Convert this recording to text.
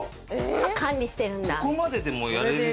管理してるんだ。